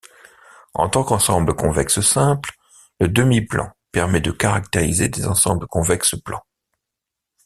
En tant qu'ensemble convexe simple, le demi-plan permet de caractériser des ensembles convexes plans.